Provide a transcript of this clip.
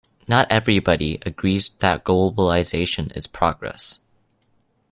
Not everybody agrees that globalisation is progress